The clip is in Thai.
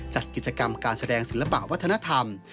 จัดกิจกรรมการแสดงศิลปะวัฒนธรรม